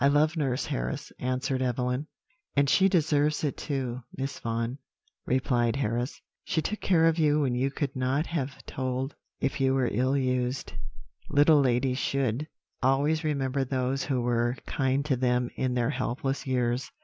"'I love nurse, Harris,' answered Evelyn. "'And she deserves it too, Miss Vaughan,' replied Harris; 'she took care of you when you could not have told if you were ill used. Little ladies should always remember those who were kind to them in their helpless years.